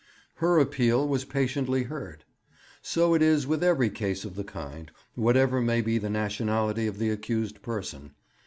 Her appeal was patiently heard. So it is with every case of the kind, whatever may be the nationality of the accused person.